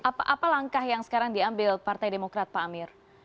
apa langkah yang sekarang diambil partai demokrat pak amir